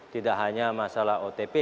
tidak hanya masalah otp